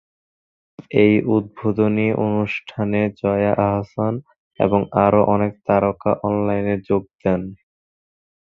এই উদ্বোধনী অনুষ্ঠানে জয়া আহসান এবং আরো অনেক তারকা অনলাইনে যোগ দেন।